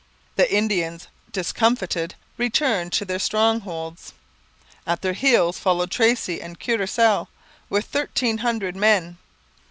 The Indians, discomfited, returned to their strongholds. At their heels followed Tracy and Courcelle with thirteen hundred men.